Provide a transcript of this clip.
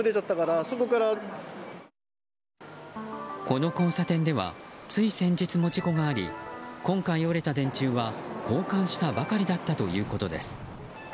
この交差点ではつい先日も事故があり今回折れた電柱は交換したばかりだったということです。